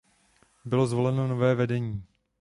Bylo zvoleno nové vedení.